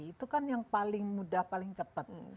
itu kan yang paling mudah paling cepat